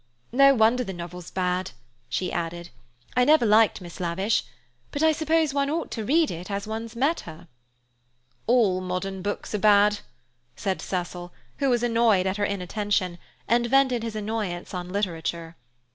"No wonder the novel's bad," she added. "I never liked Miss Lavish. But I suppose one ought to read it as one's met her." "All modern books are bad," said Cecil, who was annoyed at her inattention, and vented his annoyance on literature.